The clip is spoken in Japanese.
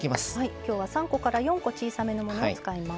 きょうは３個から４個小さめのものを使います。